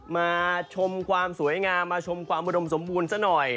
มาชมความสวยงามมาชมความอุดมสมบูรณ์ซะหน่อย